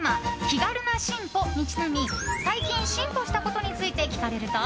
「気軽なシンポ」にちなみ最近、進歩したことについて聞かれると。